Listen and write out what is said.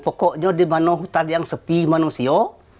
pokoknya di mana hutan yang sepi manusia